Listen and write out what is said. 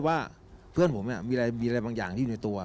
ว่าเพื่อนผมมีอะไรบางอย่างที่อยู่ในตัว